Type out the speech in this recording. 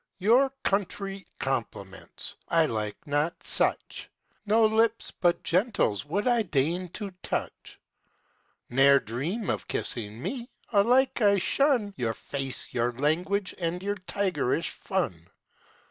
Your country compliments, I like not such; No lips but gentles' would I deign to touch. Ne'er dream of kissing me: alike I shun Your face, your language, and your tigerish fun.